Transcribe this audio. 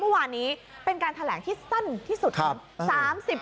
เมื่อวานนี้เป็นการแถลงที่สั้นที่สุดครับ